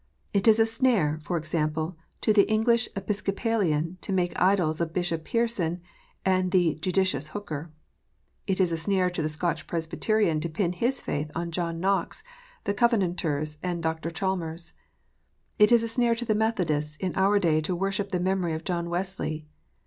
It is a snare, for example, to the English Episcopalian to make idols of Bishop Pearson and the "Judicious Hooker." It is a snare to the Scotch Presbyterian to pin his faith on John Knox, the Cove nanters, and Dr. Chalmers. It is a snare to the Methodists in our day to worship the memory of John Wesley.